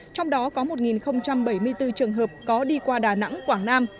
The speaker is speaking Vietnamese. trong đó có một bảy mươi bốn trường hợp có đi qua đà nẵng quảng nam